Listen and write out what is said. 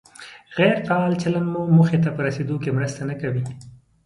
غیر فعال چلند مو موخې ته په رسېدو کې مرسته نه کوي.